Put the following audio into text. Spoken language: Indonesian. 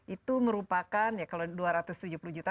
itu merupakan ya kalau dua ratus tujuh puluh juta